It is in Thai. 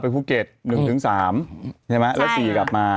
ภูเก็ต๑๓ใช่ไหมแล้ว๔กลับมา